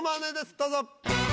どうぞ。